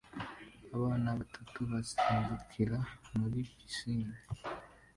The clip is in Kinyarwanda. Abana batatu basimbukira muri pisine